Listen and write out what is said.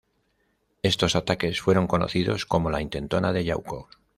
Estos ataques fueron conocidos como la Intentona de Yauco.